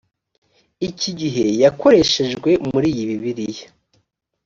iki gihe yakoreshejwe muri iyi bibiliya